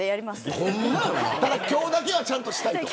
ただ今日だけはちゃんとしたい。